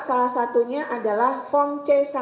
salah satunya adalah form c satu